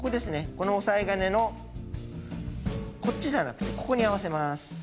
この押さえ金のこっちじゃなくてここに合わせます。